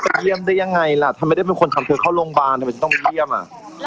ไปเยี่ยมได้ยังไงล่ะทำไมได้เป็นคนทำเธอเข้าโรงพยาบาลทำไมจะต้องไปเยี่ยมอ่ะ